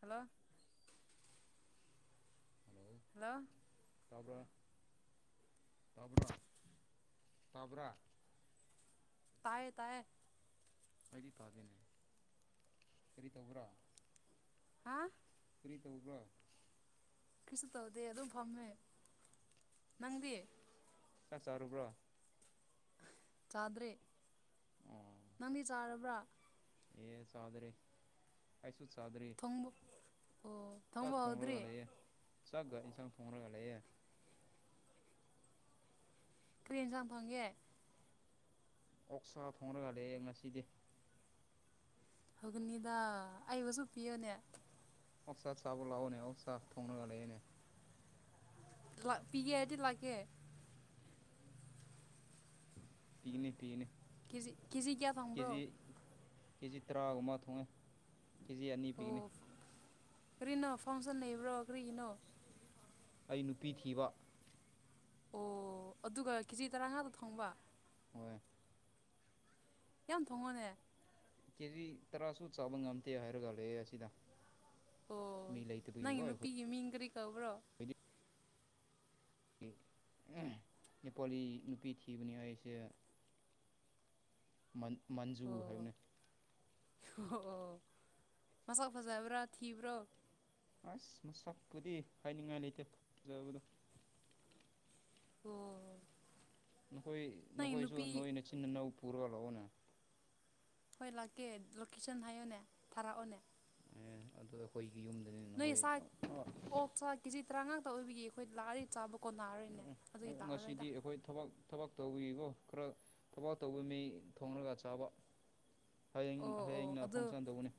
hello hello ꯇꯥꯕ꯭ꯔ ꯇꯕ꯭ꯔꯥ ꯇꯕ꯭ꯔꯥ ꯇꯥꯏꯌꯦ ꯇꯥꯏꯌꯦ ꯑꯩꯗꯤ ꯇꯥꯗꯦꯅꯦ ꯀꯔꯤ ꯇꯧꯕꯔꯥ ꯍꯥ ꯀ꯭ꯔꯤ ꯇꯧꯕ꯭ꯔꯥ ꯀ꯭ꯔꯤꯁꯨ ꯇꯧꯗꯦ ꯑꯗꯨꯝ ꯐꯝꯃꯦ ꯅꯪꯗꯤ ꯆꯥꯛ ꯆꯔꯨꯕ꯭ꯔꯥ ꯆꯥꯗ꯭ꯔꯤ ꯑꯣ ꯅꯪꯗꯤ ꯆꯥꯔꯕ꯭ꯔꯥ ꯑꯦ ꯆꯥꯗ꯭ꯔꯦ ꯑꯩꯁ ꯨ ꯆꯥꯗ꯭ꯔꯤ ꯊꯣꯡꯕ ꯑꯣ ꯆꯥꯛ ꯊꯣꯡꯕ ꯍꯧꯗ꯭ꯔꯤ ꯊꯣꯡꯂꯒ ꯂꯩꯑꯦ ꯆꯥꯛ ꯒꯅꯤꯁ ꯊꯣꯡꯔꯒ ꯂꯩꯌꯦ ꯀ꯭ꯔꯤ ꯍꯦꯟꯖꯥꯡ ꯐꯪꯒꯦ ꯑꯣꯛꯁꯥ ꯊꯣꯡꯔꯒ ꯂꯩꯌꯦ ꯉꯁꯤꯗꯤ ꯍꯥꯎꯕꯅꯤꯗꯥ ꯑꯩꯕꯨꯁꯨ ꯄꯤꯌꯣꯅꯦ ꯑꯣꯛꯁꯥ ꯆꯥꯕ ꯂꯥꯛꯑꯣꯅꯦ ꯑꯣꯛꯁꯥ ꯊꯣꯡꯔꯒ ꯂꯩꯌꯦꯅꯦ ꯂꯣꯏ ꯄꯤꯒꯦ ꯍꯥꯏꯔꯗꯤ ꯂꯥꯛꯀꯦ ꯄꯤꯒꯅꯤ ꯄꯤꯒꯅꯤ ꯀꯦꯖꯤ ꯀꯦꯖꯤ ꯀ꯭ꯌꯥ ꯊꯣꯡꯕ꯭ꯔꯣ ꯀꯦꯖꯤ ꯀꯦꯖꯤ ꯇꯔꯥꯒꯨꯝꯕ ꯊꯣꯡꯉꯦ ꯀꯦꯖꯤ ꯑꯅꯤ ꯑꯣ ꯄꯤꯒꯅꯤ ꯀꯔꯤꯅꯣ ꯐꯪꯁꯟ ꯂꯩꯕ꯭ꯔꯣ ꯀꯔꯤꯒꯤꯅꯣ ꯑꯩ ꯅꯨꯄꯤ ꯊꯤꯕ ꯑꯣ ꯑꯗꯨꯒ ꯀꯦꯖꯤ ꯇꯔꯥ ꯉꯥꯇ ꯊꯣꯡꯕ ꯍꯣꯏ ꯌꯥꯝ ꯊꯣꯡꯉꯣꯅꯦ ꯀꯦꯖꯤ ꯇꯔꯥꯁꯨ ꯆꯥꯕ ꯉꯝꯗꯦ ꯍꯥꯏꯔ ꯂꯩꯑꯦ ꯑꯁꯤꯗ ꯑꯣ ꯃꯤ ꯂꯩꯇꯕꯒꯤꯀꯣ ꯅꯪꯒꯤ ꯑꯩꯈꯣꯏ ꯅꯨꯄꯤꯒꯤ ꯃꯤꯡ ꯀꯔꯤ ꯀꯧꯕ꯭ꯔꯣ ꯑꯩ ꯅꯦꯄꯥꯂꯤ ꯅꯨꯄꯤ ꯊꯤꯕꯅꯤ ꯑꯩꯁꯦ ꯃꯟ ꯃꯟꯖꯨ ꯑꯣ ꯍꯥꯏꯕꯅꯦ ꯑꯣ ꯑꯣ ꯃꯁꯛ ꯐꯖꯕ꯭ꯔꯥ ꯊꯤꯕ꯭ꯔꯣ ꯑꯁ ꯃꯁꯛꯄꯨꯗꯤ ꯍꯥꯏꯅꯤꯡꯉꯥꯏ ꯂꯩꯇꯦ ꯐꯖꯕꯗꯣ ꯑꯣ ꯅꯈꯣꯏ ꯅꯪꯒꯤ ꯅꯈꯣꯏꯁꯨ ꯅꯨꯄꯤ ꯅꯣꯏ ꯅꯆꯤꯟ ꯅꯅꯧ ꯄꯨꯔꯒ ꯂꯥꯛꯑꯣꯅꯦ ꯍꯣꯏ ꯂꯥꯛꯀꯦ ꯂꯣꯀꯦꯁꯟ ꯍꯥꯏꯌꯣꯅꯦ ꯊꯥꯔꯛꯑꯣꯅꯦ ꯑꯗꯣ ꯑꯩꯈꯣꯏꯒꯤ ꯌꯨꯝꯗ ꯅꯣꯏ ꯁꯥ ꯑꯣꯛꯥ ꯆꯥ ꯀꯦꯖꯤ ꯇꯔꯥꯉꯥ ꯈꯛꯇ ꯑꯣꯏꯕꯒꯤ ꯑꯩꯈꯣꯏ ꯂꯥꯛꯑꯂꯤ ꯆꯥꯕ ꯀꯣꯟꯅꯔꯔꯣꯏꯅꯦ ꯎꯝ ꯑꯗꯨꯒꯤ ꯎꯝ ꯂꯥꯛꯑꯔꯣꯏꯗ ꯉꯁꯤꯗꯤ ꯑꯩꯈꯣꯏ ꯊꯕꯛ ꯊꯕꯛ ꯇꯧꯕꯤꯀꯣ ꯈꯔ ꯊꯕꯛ ꯇꯧꯕ ꯃꯤ ꯊꯣꯡꯂꯒ ꯆꯥꯕ ꯍꯌꯦꯡ ꯑꯣ ꯑꯣ ꯍꯌꯦꯡꯅ ꯑꯗꯨ ꯐꯪꯁꯟ ꯇꯧꯒꯅꯤ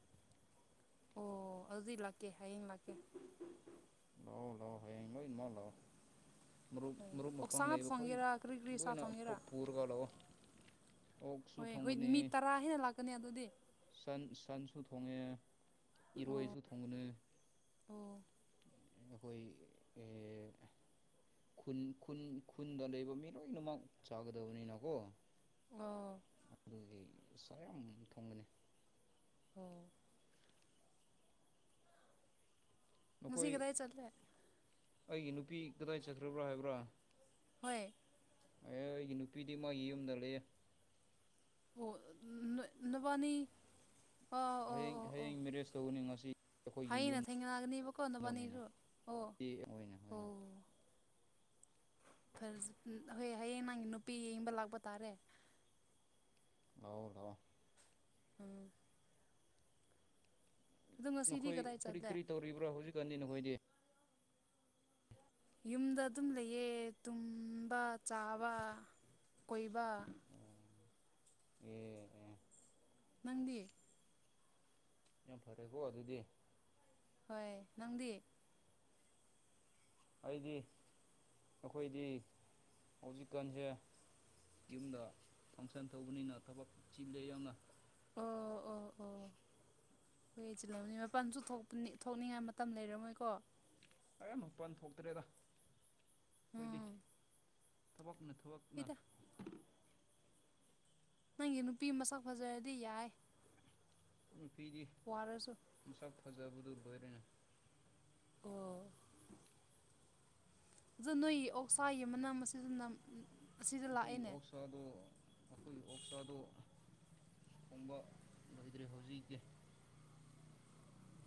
ꯑꯣ ꯑꯗꯨꯗꯤ ꯂꯥꯛꯀꯦ ꯍꯌꯦꯡ ꯂꯥꯛꯀꯦ ꯂꯑꯣ ꯂꯣꯑꯣ ꯍꯌꯦꯡ ꯂꯣꯏꯅꯃꯛ ꯂꯥꯛꯑꯣ ꯃꯔꯨꯞ ꯍꯣꯏ ꯃꯔꯨꯞ ꯃꯄꯥꯡ ꯑꯣꯛꯁꯥ ꯉꯥꯛꯇ ꯂꯩꯕ ꯋꯣꯏ ꯊꯣꯡꯒꯦꯔꯥ ꯀꯔꯤ ꯀꯔꯤ ꯁꯥ ꯂꯣꯏꯅ ꯊꯣꯡꯒꯦꯔꯥ ꯄꯨꯔꯒ ꯂꯥꯛꯑꯣ ꯑꯣꯛꯁꯨ ꯍꯣꯏ ꯍꯣꯏ ꯊꯣꯡꯒꯅꯤ ꯃꯤ ꯇꯔꯥ ꯍꯦꯟꯅ ꯂꯥꯛꯀꯅꯤ ꯑꯗꯨꯗꯤ ꯁꯟ ꯁꯟꯁꯨ ꯊꯣꯡꯉꯦ ꯑꯣ ꯏꯔꯣꯏꯁꯨ ꯊꯣꯡꯉꯅꯤ ꯑꯣ ꯑꯩꯈꯣꯏ ꯑꯦ ꯈꯨꯟ ꯈꯨꯟ ꯈꯨꯟꯗ ꯂꯩꯕ ꯃꯤ ꯂꯣꯏꯅꯃꯛ ꯆꯥꯒꯗꯕꯅꯤꯅꯀꯣ ꯑꯣ ꯑꯩ ꯏꯁꯥ ꯌꯥꯝ ꯊꯣꯡꯕꯅꯤ ꯑꯣ ꯉꯁꯤ ꯅꯈꯣꯏ ꯀꯗꯥ ꯆꯠꯂꯦ ꯑꯩꯒꯤ ꯅꯨꯄꯤ ꯀꯗꯥꯏ ꯆꯠꯈ꯭ꯔꯕ꯭ꯔꯥ ꯍꯥꯏꯕ꯭ꯔꯥ ꯍꯣꯏ ꯑꯦ ꯑꯩꯒꯤ ꯅꯨꯄꯤꯗꯤ ꯃꯣꯏꯒꯤ ꯌꯨꯝꯗ ꯂꯩꯌꯦ ꯑꯣ ꯅꯣꯏ ꯅꯕꯥꯅꯤ ꯑꯣ ꯑꯣ ꯍꯌꯦꯡ ꯑꯣ ꯑꯣ ꯍꯌꯦꯡ ꯃꯦꯔꯦꯖ ꯇꯧꯕꯅꯤ ꯉꯁꯤ ꯑꯩꯈꯣꯏꯒꯤ ꯍꯌꯦꯡꯅ ꯊꯦꯡꯅꯒꯅꯤꯕꯀꯣ ꯌꯨꯝꯗꯅꯤꯅ ꯅꯕꯥꯅꯤꯁꯨ ꯑꯣ ꯑꯣꯏꯅꯣꯏ ꯑꯣꯏꯅ [unintelligible] ꯐ ꯍꯣꯏ ꯍꯌꯦꯡ ꯅꯪꯒꯤ ꯅꯨꯄꯤ ꯌꯦꯡꯕ ꯂꯥꯛꯄ ꯇꯥꯔꯦ ꯂꯥꯛꯑꯣ ꯂꯥꯥꯛꯑꯣ ꯎꯝ ꯑꯗꯣ ꯉꯁꯤꯗꯤ ꯅꯈꯣꯏ ꯀꯗꯥꯏ ꯀꯔꯤ ꯆꯠꯂꯦ ꯀꯔꯤ ꯇꯧꯔꯤꯕ꯭ꯔꯥ ꯍꯧꯖꯤꯛꯀꯥꯟꯗꯤ ꯅꯈꯣꯏꯗꯤ [inaudible] ꯌꯨꯝꯗ ꯑꯗꯨꯝ ꯂꯩꯌꯦ ꯇꯨꯝꯕ ꯆꯥꯕ ꯀꯣꯏꯕ ꯑꯦ ꯅꯪꯗꯤ ꯌꯥꯝ ꯐꯔꯦꯀꯣ ꯑꯗꯨꯗꯤ ꯍꯣꯏ ꯅꯪꯗꯤ ꯑꯩꯗꯤ ꯑꯩꯈꯣꯏꯗꯤ ꯍꯧꯖꯤꯛꯀꯥꯟꯁꯦ ꯌꯨꯝꯗ ꯐꯪꯁꯟ ꯇꯧꯕꯅꯤꯅ ꯊꯕꯛ ꯆꯤꯂꯦ ꯌꯥꯝꯅ [inaudible] ꯑꯣ ꯑꯣ ꯑꯣ ꯍꯣꯏ ꯆꯤꯜꯂꯝꯅ ꯃꯄꯥꯟꯁꯨ ꯊꯣꯛꯄꯅꯤ ꯊꯣꯛꯅꯤꯡꯉꯥꯏ ꯃꯇꯝ ꯂꯩꯔꯝꯃꯣꯏꯀꯣ ꯑꯌꯥꯝꯕ ꯃꯄꯥꯟ ꯊꯣꯛꯇ꯭ꯔꯦꯗ ꯑꯩꯈꯣꯏꯗꯤ ꯎꯝ ꯊꯕꯛꯅ ꯊꯕꯛꯅ ꯍꯣꯏꯗ ꯅꯪꯒꯤ ꯅꯨꯄꯤ ꯃꯁꯛ ꯐꯖꯔꯗꯤ ꯌꯥꯏ ꯅꯨꯄꯤꯗꯤ ꯋꯥꯔꯁꯨ ꯃꯁꯛ ꯐꯖꯕꯗꯨ ꯂꯣꯏꯔꯦꯅꯦ [inaudible] ꯑꯣ ꯑꯗꯨ ꯅꯣꯏ ꯑꯣꯛꯁꯥꯏ ꯃꯅ ꯃꯁꯤꯡꯅ ꯑꯩꯈꯣꯏꯒꯤ ꯑꯣꯛꯁꯥꯗꯣ ꯑꯩꯈꯣꯏꯒꯤ ꯑꯣꯛꯁꯥꯗꯣ ꯀꯨꯝꯕ ꯂꯣꯏꯗ꯭ꯔꯦ ꯍꯧꯖꯤꯛꯀꯤ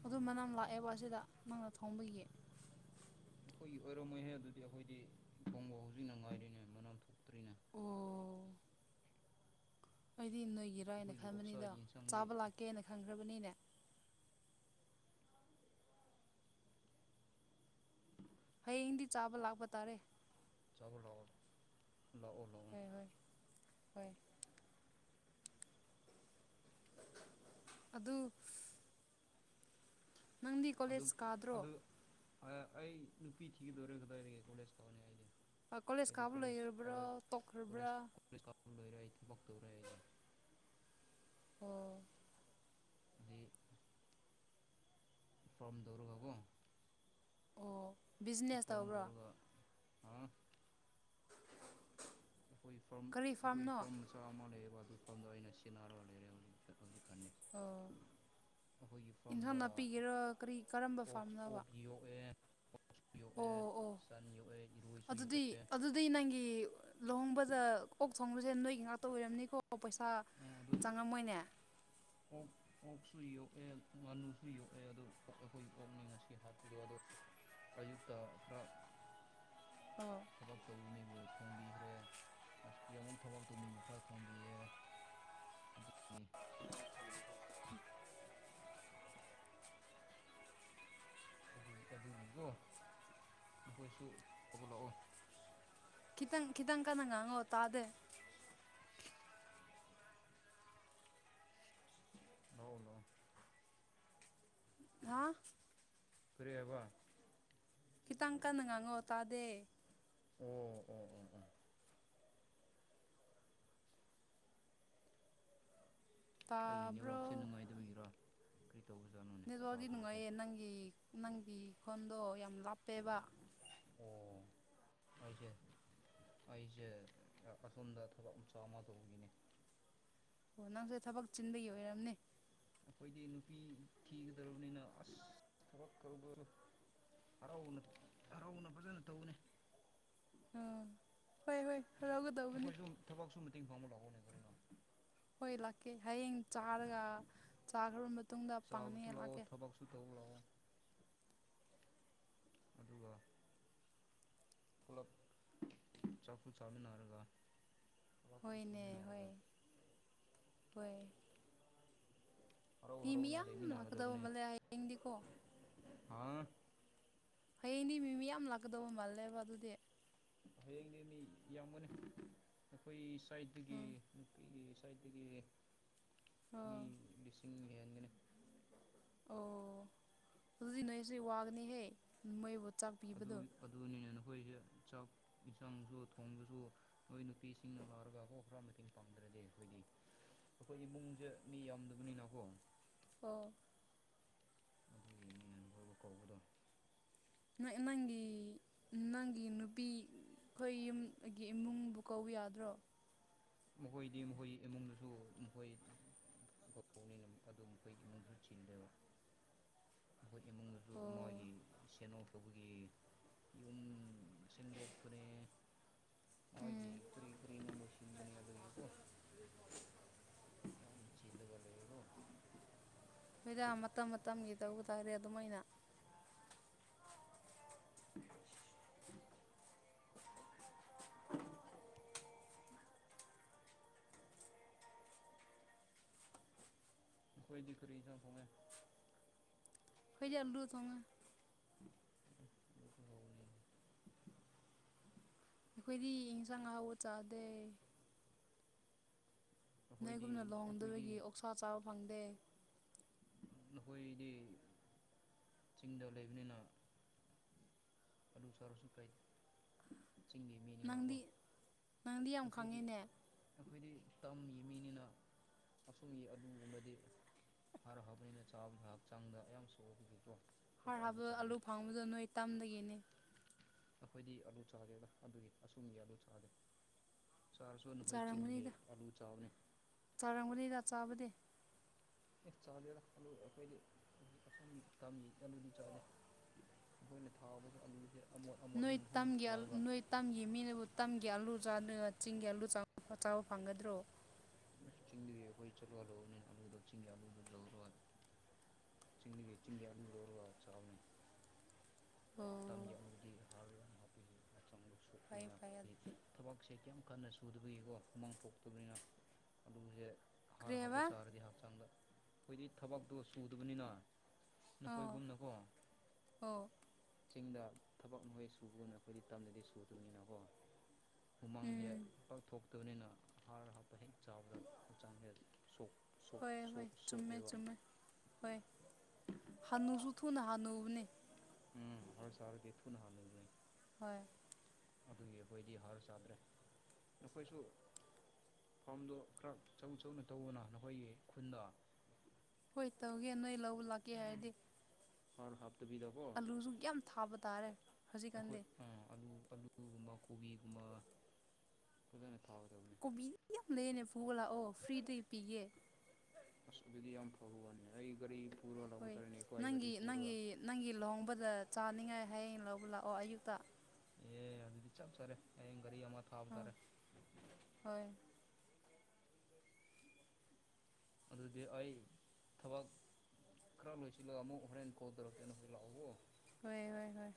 ꯑꯗꯨ ꯃꯅꯝ ꯂꯥꯛꯑꯦꯕ ꯑꯁꯤꯗ ꯅꯪꯅ ꯊꯣꯡꯕꯒꯤ ꯑꯩꯈꯣꯏꯒꯤ ꯑꯣꯏꯔꯝ ꯃꯍꯩ ꯑꯗꯨꯗꯤ ꯑꯩꯈꯣꯏꯗꯤ ꯊꯣꯡꯕ ꯍꯧꯖꯤꯛꯅ ꯅꯨꯡꯉꯥꯏꯔꯤꯅꯦ ꯃꯅꯝ ꯊꯣꯛꯇ꯭ꯔꯤꯅꯦ ꯑꯣ ꯑꯩꯗꯤ ꯅꯣꯏꯒꯤꯔꯅ ꯑꯩꯈꯣꯏꯒꯤ ꯈꯟꯕꯅꯤꯗꯣ ꯑꯣꯛꯁꯥꯒꯤ ꯌꯦꯟꯁꯥꯡꯗꯤ ꯆꯥꯕ ꯂꯥꯛꯀꯦꯅ ꯈꯟꯈ꯭ꯔꯕꯅꯤꯅꯦ ꯍꯌꯦꯡꯗꯤ ꯆꯥꯕ ꯂꯥꯛꯄ ꯇꯥꯔꯦ ꯆꯂꯣ ꯂꯥꯛꯑꯣ ꯂꯥꯛꯑꯣ ꯂꯥꯛꯑꯣ ꯍꯣꯏ ꯍꯣꯏ ꯍꯣꯏ ꯑꯗꯨ ꯅꯪꯗꯤ ꯑꯗꯨ ꯀꯣꯂꯦꯖ ꯀꯥꯗ꯭ꯔꯣ ꯑꯗꯨ ꯑꯩ ꯅꯨꯄꯤ ꯊꯤꯒꯗꯧꯔꯦꯒ ꯀꯗꯥꯢꯗꯒꯥ ꯀꯣꯂꯦꯖ ꯇꯧꯅꯤ ꯑꯩꯗꯤ ꯀꯣꯂꯦꯖ ꯀꯥꯕ ꯂꯣꯢꯔꯕ꯭ꯔꯥ ꯇꯣꯛꯈ꯭ꯔꯕ꯭ꯔꯥ ꯂꯣꯢꯔꯦ ꯑꯩ ꯊꯕꯛ ꯇꯧ ꯑꯣ ꯗ꯭ꯔꯤ ꯐꯥꯔꯝ ꯇꯧꯔꯒ ꯀꯣ ꯑꯣ ꯕꯤꯖꯤꯅꯦꯁ ꯇꯧꯕ꯭ꯔꯣ ꯍ ꯑꯩꯈꯣꯏ ꯐꯥꯔꯝ ꯀꯔꯤ ꯑꯩꯈꯣꯏ ꯐꯥꯔꯝꯅꯣ ꯐꯥꯔꯝ ꯃꯆꯥ ꯑꯃ ꯂꯩꯌꯦ ꯑꯗꯨ ꯐꯥꯝꯗꯣ ꯑꯩꯅ ꯁꯦꯟꯅꯔꯒ ꯂꯩꯔꯦ ꯍꯧꯖꯤꯛ ꯍꯧꯖꯤꯛꯀꯥꯟꯗꯤ ꯑꯣ ꯑꯩꯈꯣꯏꯒꯤ ꯏꯟꯁꯥꯡ ꯐꯥꯔꯝꯗ ꯅꯥꯄꯤꯒꯤꯔꯥ ꯀꯔꯤ ꯀꯔꯝꯕ ꯑꯣꯛ ꯐꯥꯝꯅꯕ ꯑꯣꯛ ꯌꯣꯛꯑꯦ ꯌꯣꯛꯑꯦ ꯑꯣ ꯑꯣ ꯁꯟ ꯌꯣꯛꯑꯦ ꯏꯔꯣꯏꯁꯨ ꯑꯗꯨꯗꯤ ꯌꯣꯛꯑꯦ ꯑꯗꯨꯗꯤ ꯅꯪꯒꯤ ꯂꯨꯍꯣꯡꯕꯗ ꯑꯣꯛ ꯊꯣꯡꯕꯁꯦ ꯅꯣꯏꯒꯤ ꯉꯥꯛꯇ ꯑꯣꯏꯔꯝꯅꯤꯀꯣ ꯄꯩꯁꯥ ꯑꯗꯨ ꯆꯪꯉꯝꯃꯣꯏꯅꯦ ꯑꯣꯛ ꯑꯣꯛꯁꯨ ꯌꯣꯛꯑꯦ ꯉꯥꯅꯨꯁꯨ ꯌꯣꯛꯑꯦ ꯑꯗꯨ ꯑꯩꯈꯣꯏ ꯑꯣꯛꯅꯤ ꯉꯁꯤ ꯍꯥꯠꯄꯗꯣ ꯑꯗꯣ ꯑꯌꯨꯛꯇ ꯈꯔ ꯑꯣ ꯊꯕꯛ ꯇꯧꯕ ꯃꯤꯕꯨ ꯊꯣꯡꯕꯤꯈ꯭ꯔꯦ ꯉꯁꯤ ꯑꯃꯨꯛ ꯊꯕꯛ ꯇꯨꯅꯤꯡꯕ ꯈꯔ ꯊꯣꯡꯕꯤꯌꯦ ꯑꯗꯨꯒꯤ ꯑꯗꯨꯒꯤꯀꯣ ꯅꯈꯣꯏꯁꯨ ꯇꯧꯕ ꯂꯥꯛꯑꯣ ꯈꯤꯇꯪ ꯈꯤꯇꯪ ꯀꯟꯅ ꯉꯥꯡꯉꯣ ꯇꯥꯗꯦ ꯂꯥꯎ ꯂꯥꯎ ꯍꯥ ꯀꯔꯤ ꯍꯥꯢꯕ ꯈꯤꯇꯪ ꯀꯟꯅ ꯉꯥꯡꯉꯣ ꯇꯥꯗꯦ ꯎꯝ ꯎ ꯑꯣ ꯎ ꯑꯩꯒꯤ ꯇꯥꯕ꯭ꯔꯣ ꯅꯦꯠꯋꯥꯛꯁꯦ ꯅꯨꯡꯉꯥꯏꯗꯒꯤꯔꯣ ꯅꯦꯠꯋꯔꯥꯛꯇꯤ ꯅꯨꯡꯉꯥꯏꯌꯦ ꯅꯪꯒꯤ ꯅꯪꯒꯤ ꯈꯣꯟꯗꯣ ꯌꯥꯝ ꯂꯥꯞꯄꯦꯕ ꯑꯣ ꯑꯩꯁꯦ ꯑꯩꯁꯦ ꯑꯁꯣꯝꯗ ꯊꯕꯛ ꯃꯆꯥ ꯑꯃ ꯇꯧꯕꯒꯤꯅꯦ ꯑꯣ ꯅꯪꯁꯦ ꯊꯕꯛ ꯆꯤꯟꯕꯒꯤ ꯑꯣꯏꯔꯝꯅꯦ ꯑꯩꯈꯣꯏꯗꯤ ꯅꯨꯄꯤ ꯊꯤꯒꯗꯧꯔꯕꯅꯤꯅ ꯑꯁ ꯊꯕꯛ ꯇꯣ ꯍꯔꯥꯎꯅ ꯍꯔꯥꯎꯅ ꯐꯖꯅ ꯇꯧꯕꯅꯦ ꯎ ꯍꯣꯏ ꯍꯣꯏ ꯍꯔꯥꯎꯒꯗꯧꯕꯅꯤ ꯅꯈꯣꯏꯁꯨ ꯊꯕꯛꯁꯨ ꯃꯇꯦꯡ ꯄꯥꯡꯕ ꯂꯥꯛꯑꯣꯅꯦ [unintelligible] ꯍꯣꯏ ꯂꯥꯛꯀꯦ ꯍꯌꯦꯡ ꯆꯥꯔꯒ ꯆꯥꯈ꯭ꯔꯕ ꯃꯇꯨꯡꯗ ꯆꯥꯕꯁꯨ ꯄꯪꯅꯤꯉꯥꯢ ꯂꯥꯛꯑꯣ ꯂꯥꯛꯀꯦ ꯊꯕꯛꯁꯨ ꯇꯧꯕ ꯂꯥꯛꯑꯣ ꯑꯗꯨꯒ ꯄꯨꯂꯞ ꯆꯥꯛꯄꯨ ꯆꯥꯃꯤꯅꯔꯒ ꯍꯣꯏꯅꯦ ꯍꯣꯏ ꯍꯣꯏ ꯍꯔꯥꯎ ꯃꯤ ꯍꯔꯥꯎꯅ ꯃꯤꯌꯥꯝ ꯂꯥꯛꯀꯗꯕ ꯂꯩꯃꯤꯟꯅꯒꯗꯕꯅꯦ ꯃꯜꯂꯦ ꯍꯌꯦꯡꯗꯤꯀꯣ ꯍꯥꯡ ꯍꯌꯦꯡꯗꯤ ꯃꯤ ꯃꯤ ꯌꯥꯝ ꯂꯥꯛꯀꯗꯧꯕ ꯃꯥꯜꯂꯦꯕ ꯑꯗꯨꯗꯤ ꯍꯌꯦꯡꯗꯤ ꯃꯤ ꯌꯥꯝꯒꯅꯤ ꯑꯩꯈꯣꯏ ꯁꯥꯏꯠꯇꯒꯤ ꯎꯝ ꯅꯨꯄꯤꯒꯤ ꯁꯥꯏꯗꯒꯤ ꯃꯤ ꯑꯣ ꯂꯤꯁꯤꯡ ꯍꯦꯟꯒꯅꯤ ꯑꯣ ꯑꯗꯨꯗꯤ ꯅꯣꯏꯁꯦ ꯋꯥꯒꯅꯤꯍꯦ ꯃꯣꯢꯕꯨ ꯑꯗꯨ ꯑꯗꯨ ꯅꯤꯅꯦꯅꯣ ꯑꯩꯈꯣꯏꯁꯦ ꯆꯥꯛ ꯏꯟꯁꯥꯡꯁꯨ ꯊꯣꯡꯕꯁꯨ ꯅꯣꯏ ꯅꯨꯄꯤꯁꯤꯡꯅ ꯂꯥꯛꯔꯒ ꯀꯣ ꯈꯔ ꯃꯇꯦꯡ ꯄꯥꯡꯗ꯭ꯔꯦ ꯗꯤ ꯑꯩꯈꯣꯏꯗꯤ ꯑꯩꯈꯣꯏ ꯏꯃꯨꯡꯁꯦ ꯃꯤ ꯌꯥꯝꯗꯕꯅꯤꯅꯀꯣ ꯑꯣ ꯑꯗꯨꯒꯤ ꯈꯣꯏꯕꯨ ꯀꯧꯕꯗꯣ ꯅꯣꯏ ꯅꯪꯒꯤ ꯅꯪꯒꯤ ꯅꯨꯄꯤ ꯑꯈꯣꯏ ꯌꯨꯝꯒꯤ ꯏꯃꯨꯡꯕꯨ ꯀꯧꯕ ꯌꯥꯗ꯭ꯔꯣ ꯃꯈꯣꯏꯗꯤ ꯃꯈꯣꯏ ꯏꯃꯨꯡꯗꯁꯨ ꯃꯈꯣꯏ ꯅꯤꯅ ꯑꯗꯨ ꯃꯈꯣꯏ ꯏꯃꯨꯡꯁꯨ ꯆꯤꯜꯂꯦꯕ ꯃꯈꯣꯏ ꯏꯃꯨꯡꯗꯁꯨ ꯑꯣ ꯃꯥꯒꯤ ꯁꯦꯟ ꯑꯣꯞ ꯇꯧꯕꯒꯤ ꯌꯨꯝ ꯎꯝ ꯁꯤꯟꯗꯣꯛꯄꯅꯦꯃꯣꯏꯒꯤ ꯀꯔꯤ ꯀꯔꯤꯅꯣ ꯂꯣꯏꯁꯤꯟꯒꯅꯤ ꯍꯥꯏꯕ ꯌꯥꯝ ꯆꯤꯜꯂꯒ ꯂꯩꯌꯦꯀꯣ ꯍꯣꯏꯗ ꯃꯇꯝ ꯃꯇꯝꯒꯤ ꯇꯧꯕ ꯇꯥꯔꯦ ꯑꯗꯨꯃꯥꯏꯅ [inaudible] ꯅꯈꯣꯏꯗꯤ ꯀꯔꯤ ꯏꯟꯁꯥꯡ ꯊꯣꯡꯉꯦ ꯑꯈꯣꯏꯗꯤ ꯑꯂꯨ ꯊꯣꯡꯉꯦ ꯑꯗꯨꯁꯨ ꯍꯧꯕꯅꯤꯅ ꯑꯈꯣꯏꯗꯤ ꯏꯟꯁꯥꯡ ꯑꯍꯥꯎꯕ ꯆꯥꯗꯦ ꯑꯩꯈꯣꯏꯗꯤ ꯅꯣꯏꯒꯨꯝꯅ ꯑꯩꯈꯣꯏꯗꯤ ꯂꯨꯍꯣꯡꯗꯕꯒꯤ ꯑꯣꯛꯁꯥ ꯆꯥꯕ ꯐꯪꯗꯦ ꯅꯈꯣꯏꯗꯤ ꯆꯤꯡꯗ ꯂꯩꯕꯅꯤꯅ ꯑꯂꯨ ꯆꯥꯔꯁꯨ ꯀꯥꯏꯗꯦ ꯆꯤꯡꯒꯤ ꯃꯤꯅꯤꯅꯀꯣ ꯅꯪꯗꯤ ꯅꯪꯗꯤ ꯌꯥꯝ ꯑꯈꯣꯏꯗꯤ ꯈꯪꯉꯤꯅꯦ ꯑꯈꯣꯏꯗꯤ ꯇꯝꯒꯤ ꯃꯤꯅꯤꯅ ꯑꯁꯨꯝꯒꯤ ꯑꯗꯨꯒꯨꯝꯕꯗꯤ ꯍꯔ ꯍꯥꯞꯄꯅꯤꯅ ꯆꯥꯕꯗ ꯍꯛꯆꯥꯡꯗ ꯌꯥꯝ ꯁꯣꯛꯑꯕꯒꯤꯀꯣ ꯍꯥꯔ ꯍꯥꯞꯄ ꯑꯂꯨ ꯐꯪꯕꯗꯣ ꯅꯣꯏ ꯇꯝꯗꯒꯤꯅꯦ ꯑꯈꯣꯏꯗꯤ ꯑꯥꯂꯨ ꯆꯥꯗꯦꯗ ꯑꯗꯨꯒꯤ ꯑꯁꯣꯝꯒꯤ ꯑꯥꯂꯨ ꯆꯥꯗꯦ ꯆꯥꯔꯁꯨꯣꯟꯅꯈꯣꯏ ꯆꯤꯡꯒꯤ ꯆꯥꯔꯝꯒꯅꯤꯗ ꯑꯥꯂꯨ ꯆꯥꯕꯅꯤ ꯆꯥꯔꯝꯒꯅꯤꯗ ꯆꯥꯕꯗꯤ ꯆꯥꯗꯦꯗ ꯑꯥꯂꯨ ꯑꯈꯣꯏꯗꯤ ꯑꯁꯣꯝꯒꯤ ꯇꯝꯒꯤ ꯑꯥꯂꯨꯗꯤ ꯆꯥꯗꯦ ꯑꯈꯣꯏꯅ ꯊꯥꯕꯁꯦ ꯑꯂꯨꯁꯦ ꯅꯣꯏ ꯇꯝꯒꯤ ꯑꯂꯨ ꯅꯣꯏ ꯇꯝꯒꯤ ꯃꯤꯅꯕꯨ ꯇꯝꯒꯤ ꯑꯜꯂꯨꯆꯥꯗ ꯆꯤꯡꯒꯤ ꯑꯂꯨ ꯆꯥꯕ ꯆꯥꯕ ꯐꯪꯒꯗ꯭ꯔꯣ ꯆꯤꯡꯗꯗꯤ ꯑꯈꯣꯏ ꯆꯠꯂꯨ ꯍꯜꯂꯨꯎꯕꯅꯤꯅ ꯑꯂꯨꯗꯣ ꯆꯤꯡꯒꯤ ꯑꯂꯨꯗꯣ ꯂꯧꯔꯒ ꯆꯤꯡꯗꯒꯤ ꯆꯤꯡꯒꯤ ꯑꯂꯨ ꯂꯧꯔꯒ ꯆꯥꯕꯅꯦ ꯑꯣ ꯇꯝꯒꯤ ꯑꯂꯨꯗꯤ ꯍꯥꯔ ꯌꯥꯝ ꯍꯥꯞꯄꯤ ꯐꯥꯏꯌꯦ ꯐꯥꯏꯌꯦ ꯑꯗꯨꯗꯤ ꯎꯗꯕꯒꯤꯀꯣ ꯍꯨꯃꯥꯡ ꯄꯣꯛꯇꯕꯅꯤꯅ ꯑꯂꯨꯁꯦ ꯍꯥꯔ ꯍꯥꯞꯄ ꯀ꯭ꯔꯤꯕ ꯆꯥꯔꯗꯤ ꯍꯛꯆꯥꯡꯗ ꯑꯈꯣꯏꯗꯤ ꯊꯕꯛꯇꯣ ꯁꯨꯗꯕꯅꯤꯅ ꯑꯣ ꯅꯈꯣꯏꯒꯨꯝꯅꯀꯣ ꯑꯣ ꯆꯤꯡꯗ ꯊꯕꯛ ꯅꯈꯣꯏ ꯁꯨꯕꯒꯨꯝꯅ ꯑꯈꯣꯏꯗꯤ ꯇꯝꯗꯗꯤ ꯁꯨꯗꯕꯅꯤꯅꯀꯣ ꯍꯨꯃꯥꯡ ꯁꯦ ꯎꯝ ꯄꯥꯛꯊꯣꯛꯇꯕꯅꯤꯅ ꯍꯥꯔ ꯍꯥꯞꯄ ꯍꯦꯛ ꯆꯥꯎꯕꯗ ꯍꯛꯆꯥꯡ ꯍꯦꯛ ꯁꯣꯛ ꯁꯣꯛ ꯍꯣꯏ ꯍꯣꯏ ꯁꯣꯛ ꯆꯨꯝꯃꯦ ꯁꯣꯛꯑꯦꯕ ꯆꯨꯝꯃꯦ ꯍꯣꯏ ꯍꯟꯅꯨꯁꯨꯨ ꯊꯨꯅ ꯍꯅꯨ ꯄꯨꯅꯦ ꯎꯝ ꯍꯔ ꯆꯔꯗꯤꯊꯨꯅ ꯍꯟꯅꯨꯕꯅꯦ ꯍꯣꯏ ꯑꯗꯨꯒꯤ ꯑꯈꯣꯏꯗꯤ ꯍꯥꯔ ꯆꯥꯗ꯭ꯔꯦ ꯅꯈꯣꯏꯁꯨ ꯐꯥꯔꯝꯗꯣ ꯈꯔ ꯆꯧ ꯆꯧꯅ ꯇꯧꯑꯣꯅ ꯅꯈꯣꯏꯒꯤ ꯈꯨꯟꯗ ꯍꯣꯏ ꯇꯧꯒꯦ ꯅꯣꯏ ꯂꯧꯕ ꯂꯥꯛꯀꯦ ꯍꯥꯏꯔꯗꯤ ꯍꯥꯔ ꯍꯥꯞꯇꯕꯤꯗꯀꯣ ꯑꯂꯨꯁꯨ ꯌꯥꯝ ꯊꯥꯕ ꯇꯥꯔꯦ ꯑꯈꯣꯏ ꯍꯧꯖꯤꯛꯀꯥꯟꯗꯤ ꯑꯥ ꯑꯂꯨ ꯑꯥꯂꯨꯒꯨꯝꯕ ꯀꯣꯕꯤꯒꯨꯝꯕ ꯐꯖꯅ ꯊꯥꯕꯗ ꯀꯣꯕꯤ ꯌꯥꯝ ꯂꯩꯅꯦ ꯄꯨꯨꯕ ꯂꯥꯛꯑꯣ ꯐ꯭ꯔꯤꯗ ꯄꯤꯒꯦ ꯑꯁ ꯑꯗꯨꯗꯤ ꯌꯥꯝ ꯐꯕ ꯋꯥꯅꯤ ꯑꯩ ꯒꯥꯔꯤ ꯄꯨꯔꯒ ꯂꯥꯛꯄ ꯍꯣꯏ ꯇꯥꯔꯦꯅꯦ ꯏꯄꯥꯒꯤ ꯒꯥꯔꯤ ꯅꯪꯒꯤ ꯄꯨꯔꯒ ꯅꯪꯒꯤ ꯅꯪꯒꯤ ꯂꯨꯍꯣꯡꯕꯗ ꯆꯥꯅꯤꯡꯉꯥꯏ ꯍꯌꯦꯡ ꯂꯧꯕ ꯂꯥꯛꯑꯣ ꯑꯌꯨꯛꯇ ꯑꯦ ꯑꯗꯨꯗꯤ ꯆꯞ ꯆꯥꯔꯦ ꯍꯌꯦꯡ ꯒꯥꯔꯤ ꯑꯃ ꯊꯥꯕ ꯍꯣꯏ ꯇꯥꯔꯦ ꯍꯣꯏ ꯑꯗꯨꯗꯤ ꯑꯩ ꯊꯕꯛ ꯈꯔ ꯂꯣꯏꯁꯤꯜꯂꯒ ꯑꯃꯨꯛ ꯍꯣꯔꯦꯟ ꯀꯣꯜ ꯇꯧꯔꯛꯀꯦ ꯅꯈꯣꯏ ꯂꯥꯛꯎꯀꯣ ꯍꯣꯏ ꯍꯣꯏ ꯍꯣꯏ